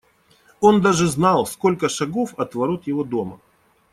Он даже знал, сколько шагов от ворот его дома.